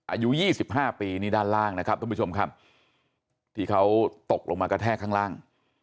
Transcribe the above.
อายุ๒๕ปีนี่ด้านล่างนะครับทุกผู้ชมครับที่เขาตกลงมากระแทกข้างล่าง